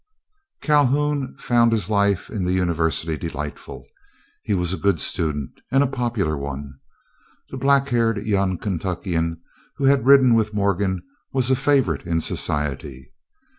Calhoun found his life in the university delightful. He was a good student, and a popular one. The black haired young Kentuckian who had ridden with Morgan was a favorite in society.